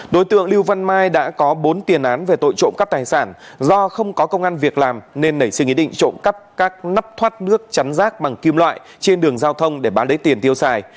đối tượng lưu văn mai đã có bốn tiền án về tội trộm cắp tài sản do không có công an việc làm nên nảy sinh ý định trộm cắp các nắp thoát nước chắn rác bằng kim loại trên đường giao thông để bán lấy tiền tiêu xài